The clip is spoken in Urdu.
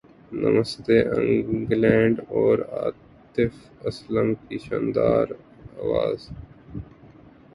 نمستے انگلینڈ اور عاطف اسلم کی شاندار اواز